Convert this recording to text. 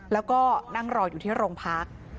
แล้วก็นั่งรออยู่ที่โรงพัก